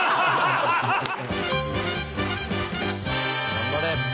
頑張れ。